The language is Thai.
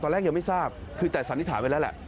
ตอนแรกยังไม่ทราบคือแต่สัญญาณที่ถามไปแล้ว